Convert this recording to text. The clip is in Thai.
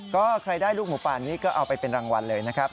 ก็ใครได้ลูกหมูป่านนี้ก็เอาไปเป็นรางวัลเลยนะครับ